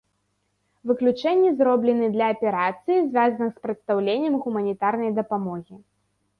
Выключэнні зроблены для аперацый, звязаных з прадстаўленнем гуманітарнай дапамогі.